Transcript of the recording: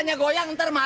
gak pantes mak